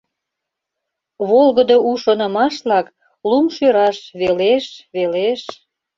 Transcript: Волгыдо у шонымашлак Лум шӱраш велеш, велеш.